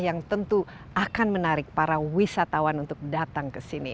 yang tentu akan menarik para wisatawan untuk datang ke sini